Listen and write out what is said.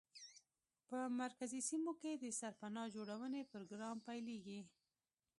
په مرکزي سیمو کې د سرپناه جوړونې پروګرام پیلېږي.